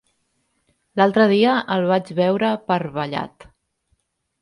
L'altre dia el vaig veure per Vallat.